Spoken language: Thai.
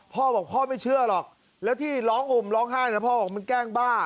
พ่อบอกพ่อไม่เชื่อหรอกแล้วที่ร้องห่มร้องไห้นะพ่อบอกมันแกล้งบ้า